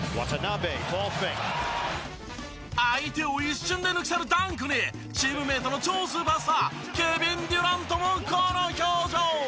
相手を一瞬で抜き去るダンクにチームメートの超スーパースターケビン・デュラントもこの表情！